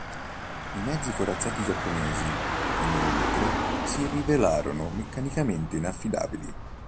I mezzi corazzati giapponesi, inoltre, si rivelarono meccanicamente inaffidabili.